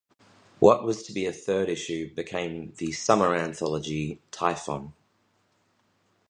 What was to be a third issue became the summer anthology "Typhon".